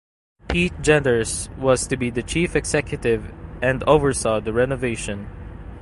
Pete Genders was to be the Chief Executive and oversaw the renovation.